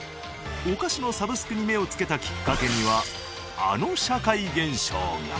お菓子のサブスクに目をつけたきっかけにはあの社会現象が。